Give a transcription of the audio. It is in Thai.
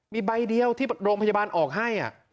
มีใบเดียวที่โรงพยาบาลออกให้